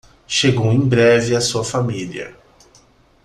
Chegou em breve a sua família